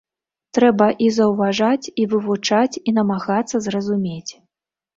Трэба і заўважаць, і вывучаць, і намагацца зразумець.